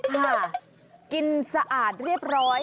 ค่ะกินสะอาดเรียบร้อย